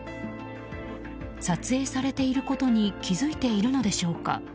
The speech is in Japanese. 撮影されていることに気付いているのでしょうか。